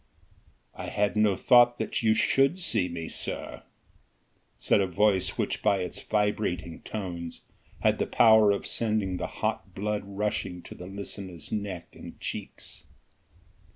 "I had no thought that you should see me, sir," said a voice which by its vibrating tones had the power of sending the hot blood rushing to the listener's neck and cheeks.